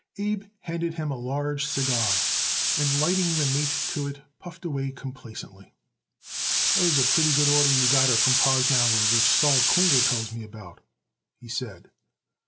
Abe handed him a large cigar and, lighting the mate to it, puffed away complacently. "That was a pretty good order you got it from Prosnauer which Sol Klinger tells me about," he said.